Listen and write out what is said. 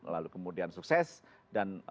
lalu kemudian sukses dan